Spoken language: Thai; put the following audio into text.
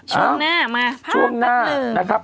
ช่วงหน้ามาภาพกันหนึ่งช่วงหน้านะครับ